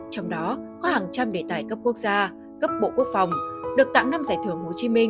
trong đó có hàng trăm đề tài cấp quốc gia cấp bộ quốc phòng được tặng năm giải thưởng hồ chí minh